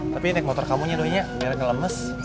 tapi naik motor kamu aja doi ya biar gak lemes